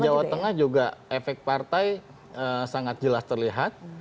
di jawa tengah juga efek partai sangat jelas terlihat